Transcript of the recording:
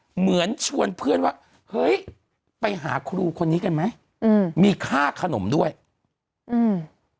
เหมือนชวนเพื่อนว่าเฮ้ยไปหาครูคนนี้กันไหมอืมมีค่าขนมด้วยอืม